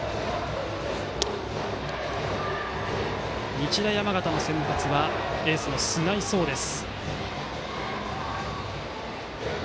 日大山形の先発はエースの菅井颯です。